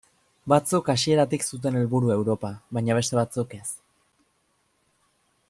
Batzuk hasieratik zuten helburu Europa, baina beste batzuk ez.